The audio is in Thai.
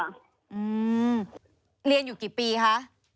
เรียนอยู่กี่ปีคะ